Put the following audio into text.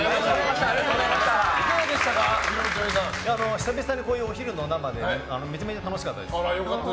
久々にお昼の生でめちゃめちゃ楽しかったです。